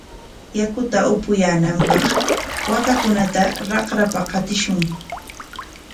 Yakuta apuyaananpaq waakakunata raqrapa qatishun.